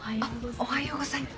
おはようございます。